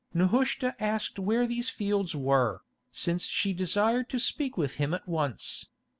Nehushta asked where these fields were, since she desired to speak with him at once.